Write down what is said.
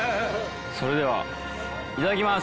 それではいただきます。